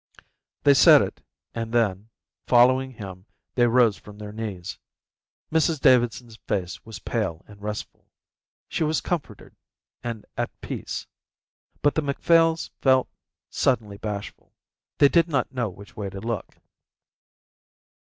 They said it and then; following him, they rose from their knees. Mrs Davidson's face was pale and restful. She was comforted and at peace, but the Macphails felt suddenly bashful. They did not know which way to look.